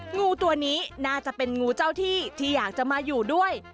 งูตัวนี้น่าจะเป็นงูเจ้าที่ที่อยากจะมาอยู่ด้วย